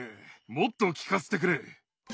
もっと聞かせてくれ。